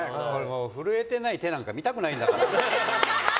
震えてない手なんか見たくないんだから。